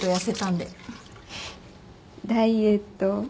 ダイエット？